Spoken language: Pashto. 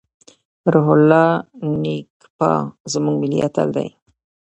روح الله نیکپا زموږ ملي اتل دی.